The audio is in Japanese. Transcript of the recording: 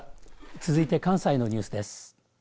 続いて関西のニュースです。